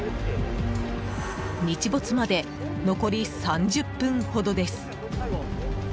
日没まで残り３０分ほどです。